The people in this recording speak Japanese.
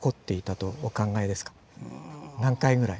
何回ぐらい？